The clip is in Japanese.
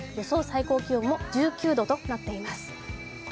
最高気温も１９度となっています。